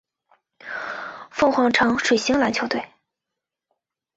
凤凰城水星篮球队。